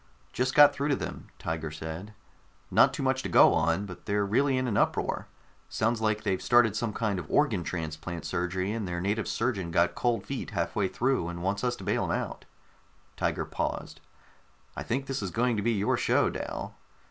"Just got through to them," Tiger said. "Not too much to go on, but they're really in an uproar. Sounds like they've started some kind of organ transplant surgery and their native surgeon got cold feet halfway through and wants us to bail him out." Tiger paused. "I think this is going to be your show, Dal.